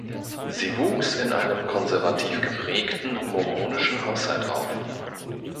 Sie wuchs in einem konservativ geprägten mormonischen Haushalt auf.